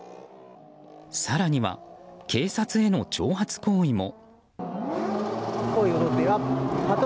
更には、警察への挑発行為も。